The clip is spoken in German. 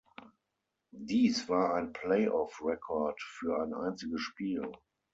Dies war ein Playoff-Rekord für ein einziges Spiel.